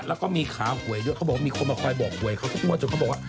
เขาก็มีขาห่วยด้วยเขาบอกว่ามีคนมาคอยบอกเขาก็โตจนเขาบอกว่า